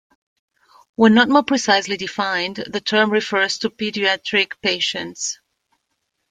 When not more precisely defined, the term refers to pediatric patients.